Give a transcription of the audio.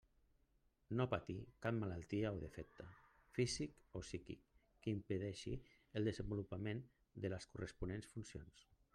No patir cap malaltia o defecte físic o psíquic que impedeixi el desenvolupament de les corresponents funcions.